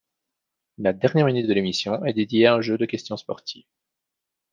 La dernière minute de l'émission est dédiée à un jeu de questions sportives.